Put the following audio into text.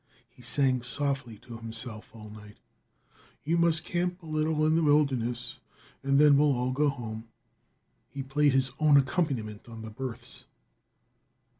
He sang softly to himself all night long: "You must camp a little in the wilderness And then we'll all go home." He played his own accompaniment on the berths.